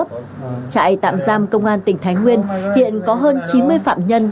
trại tạm giam công an tỉnh thái nguyên hiện có hơn chín mươi phạm nhân